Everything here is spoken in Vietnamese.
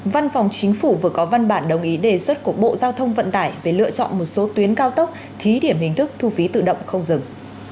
văn phòng chính phủ vừa có văn bản đồng ý đề xuất của bộ giao thông vận tải về lựa chọn một số tuyến cao tốc thí điểm hình thức thu phí tự động không dừng